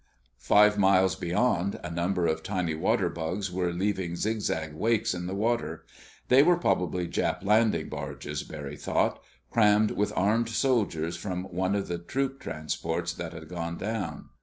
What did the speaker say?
Five miles beyond, a number of tiny waterbugs were leaving zigzag wakes in the water. They were probably Jap landing barges, Barry thought, crammed with armed soldiers from one of the troop transports that had gone down.